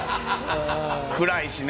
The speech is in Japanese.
暗いしね。